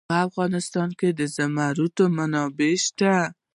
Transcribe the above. په افغانستان کې د زمرد منابع شته.